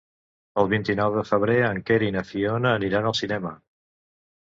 El vint-i-nou de febrer en Quer i na Fiona aniran al cinema.